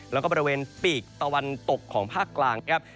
แล้วก็บริเวณปีกตะวันตกของภาคกลางครับ